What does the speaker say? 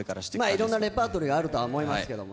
いろんなレパートリーはあると思います。